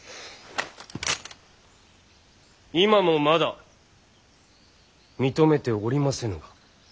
今もまだ認めておりませぬが。